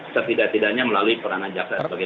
setidak tidaknya melalui peranan jaksa sebagai